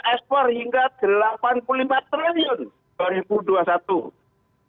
ekspor hingga rp delapan puluh lima triliun dua ribu dua puluh satu